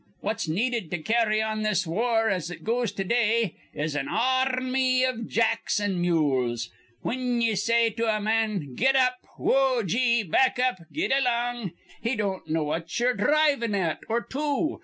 What's needed to carry on this war as it goes to day is an ar rmy iv jacks an' mules. Whin ye say to a man, 'Git ap, whoa, gee, back up, get alang!' he don't know what ye'er dhrivin' at or to.